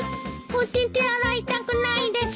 お手て洗いたくないです。